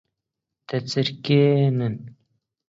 دەچریکێنن